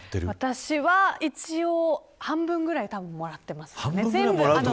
私は一応半分ぐらい、もらっています。